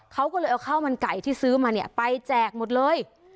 เขาก็เลยเอาข้าวมันไก่ที่ซื้อมาเนี่ยไปแจกหมดเลย